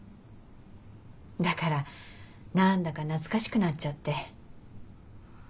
だから何だか懐かしくなっちゃって。